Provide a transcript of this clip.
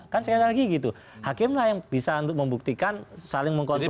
kan sekali lagi gitu hakim lah yang bisa untuk membuktikan saling mengkonfirmasi